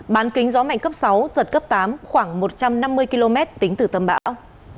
bán kính gió mạnh cấp sáu giật cấp tám khoảng một trăm năm mươi km tính từ tâm bão